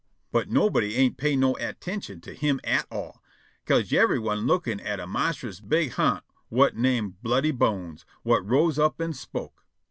But nobody ain't pay no _at_tintion to him at all, 'ca'se yevery one lookin' at a monstrous big ha'nt whut name Bloody Bones, whut rose up an' spoke.